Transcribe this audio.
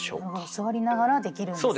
座りながらできるんですね。